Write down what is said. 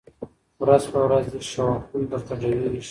ورځ په ورځ دي شواخون درته ډېرېږی